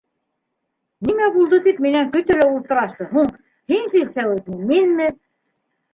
Нимә булды тип, минән көтә лә ултырасы? һуң, һин силсәүитме, минме?